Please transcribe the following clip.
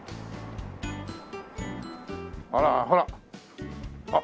あらほらっ。